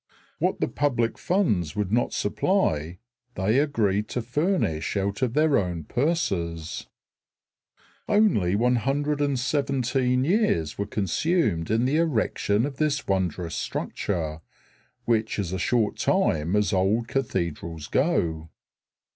What the public funds would not supply they agreed to furnish out of their own purses. Only 117 years were consumed in the erection of this wondrous structure, which is a short time as old cathedrals go.